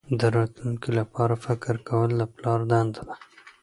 د راتلونکي لپاره فکر کول د پلار دنده ده.